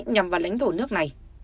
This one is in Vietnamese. nhằm vào lãnh thổ nước này